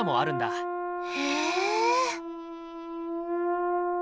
へえ。